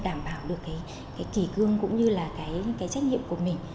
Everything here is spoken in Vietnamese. đảm bảo được kỳ cương cũng như trách nhiệm của mình